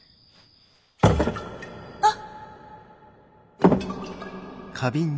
あっ。